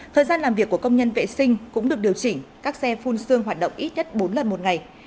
thời gian làm việc của công nhân vệ sinh cũng được điều chỉnh các xe phun xương hoạt động ít nhất bốn lần một ngày